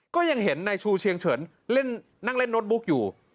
ก็ยังเห็นนายชูเชียงเฉินนั่งเล่นโน้ตบุ๊กอยู่